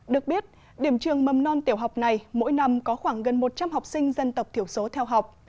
được biết điểm trường mầm non tiểu học này mỗi năm có khoảng gần một trăm linh học sinh dân tộc thiểu số theo học